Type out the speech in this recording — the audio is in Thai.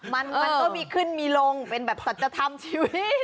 มันมันก็มีขึ้นมีลงเป็นแบบสัจธรรมชีวิต